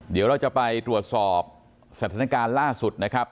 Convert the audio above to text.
เดี๋ยวเราจะไปตรวจสอบสถานการณ์ล่าสุดนะครับ